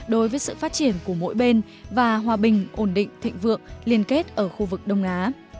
đối với sự phát triển của mỗi bên và hòa bình ổn định thịnh vượng liên kết ở khu vực đông á